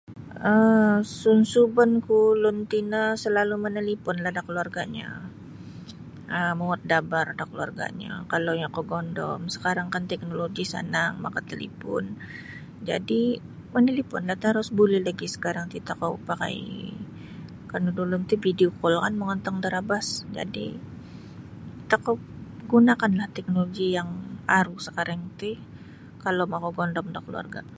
um sunsubonku ulun tino salalu' manaliponlah da kaluarga'nyo um muwot da abar da kaluarga'nyo kalau iyo nakagondom sakarang kan teknologi sanang makatalipon jadi' manaliponlah tarus buli lagi sakarang ti tokou pakai kanyu da ulun ti video call kan mongontong da rabas jadi tokou gunakanlah teknologi yang aru sakarang ti kalau makagondom da kaluarga'.